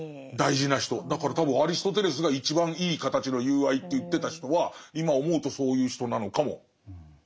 だから多分アリストテレスが一番いい形の友愛って言ってた人は今思うとそういう人なのかもしれない。